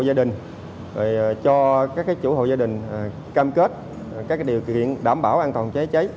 gia đình cho các chủ hộ gia đình cam kết các điều kiện đảm bảo an toàn cháy cháy